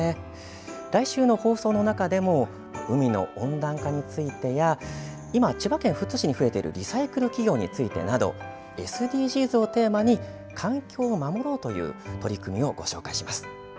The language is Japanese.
来週の放送の中でも海の温暖化についてや今、千葉県富津市に増えているリサイクル企業についてなどＳＤＧｓをテーマに環境を守ろうという取り組みをご紹介します。